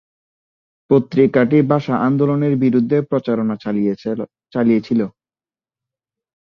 পত্রিকাটি ভাষা আন্দোলনের বিরুদ্ধে প্রচারণা চালিয়েছিল।